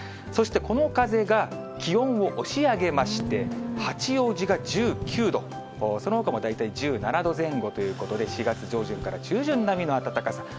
そしてこの風が、気温を押し上げまして、八王子が１９度、そのほかも大体１７度前後ということで、４月上旬から中旬並みの暖かさ。